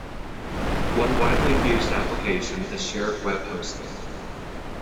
One widely used application is shared web hosting.